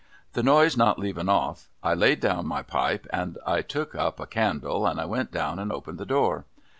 The noise not leavin off, I laid down my pipe, and I took up a candle, and I went down and opened the door.